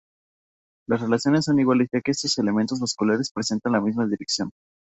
Las relaciones son iguales, ya que estos elementos vasculares presentan la misma dirección.